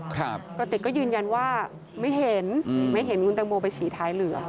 กระติกก็ยืนยันว่าไม่เห็นไม่เห็นคุณแตงโมไปฉี่ท้ายเรือ